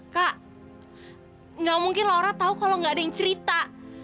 kak nggak mungkin laura tau kalau nggak ada yang cerita